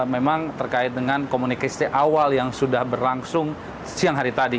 memang terkait dengan komunikasi awal yang sudah berlangsung siang hari tadi